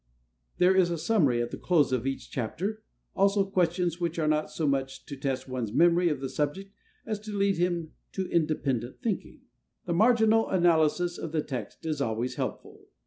There is a summary at the close of each chapter; also questions, which are not so much to test one's memory of the subject as to lead him to independent thinking. The marginal analysis of the text is always helpful.